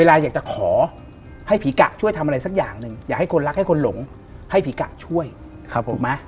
ถามจริงครับ